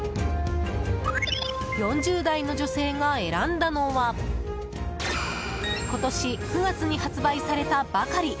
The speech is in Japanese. ４０代の女性が選んだのは今年９月に発売されたばかり。